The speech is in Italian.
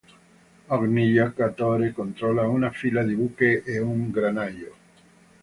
Ogni giocatore controlla una fila di buche e un granaio.